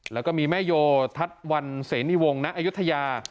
แล้วก็มีแม่โยทัศน์วันเสนีวงณอายุทยา